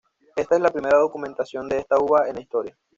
Esta es la primera documentación de esta uva en la historia.